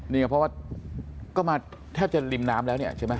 เนี่ยเพราะว่าก็มาแทบจะริมน้ำแล้วเนี่ยใช่ไหม